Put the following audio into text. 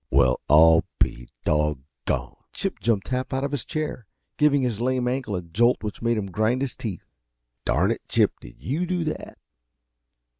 "Well I'll be doggoned!" Chip jumped half out of his chair, giving his lame ankle a jolt which made him grind his teeth. "Darn it, Chip, did YOU do that?"